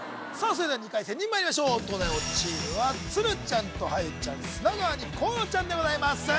それでは２回戦にまいりましょう東大王チームは鶴ちゃんとはゆちゃん砂川に河野ちゃんでございます